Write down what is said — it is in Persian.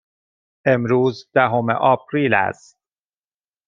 امروز دهم آپریل است.